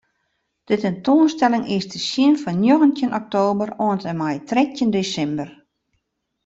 De tentoanstelling is te sjen fan njoggentjin oktober oant en mei trettjin desimber.